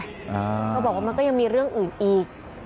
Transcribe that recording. เขาบอกว่ามันก็ยังมีเรื่องอื่นอีก